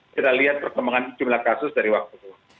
kita lihat perkembangan jumlah kasus dari waktu dulu